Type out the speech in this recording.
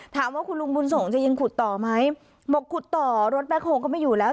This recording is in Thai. ถามว่าคุณลุงบุญส่งจะยังขุดต่อไหมบอกขุดต่อรถแบ็คโฮก็ไม่อยู่แล้ว